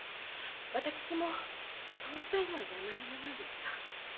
私もそうしたいのはやまやまなんですが。